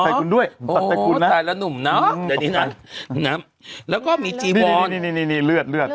ตกใจคุณด้วยตกใจคุณนะอ๋อตายแล้วหนุ่มนะแล้วก็มีจีบอนนี่นี่นี่นี่เลือดเลือด